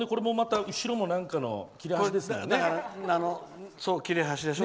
後ろも何かの切れ端ですもんね。